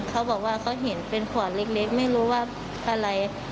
เขาบอกว่าเขาเห็นเป็นขวดเล็กไม่รู้ว่าอะไร